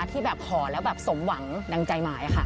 ที่ขอแล้วสมหวังดังใจหมายค่ะ